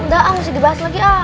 nggak om mesti dibahas lagi om